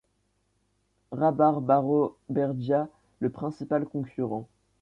Rabarbaro Bergia, le principal concurrent.